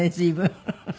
フフフ。